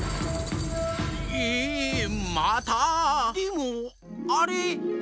ええまた⁉でもあれ。